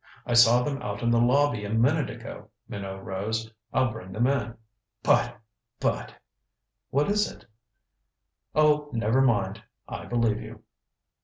I saw them out in the lobby a minute ago." Minot rose. "I'll bring them in. But but " "What is it?" "Oh, never mind. I believe you."